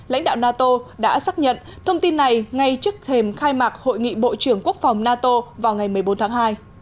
lãnh đạo nato đã xác nhận thông tin này ngay trước thềm khai mạc hội nghị bộ trưởng quốc phòng nato vào ngày một mươi bốn tháng hai